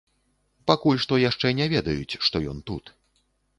Пакуль што яшчэ не ведаюць, што ён тут.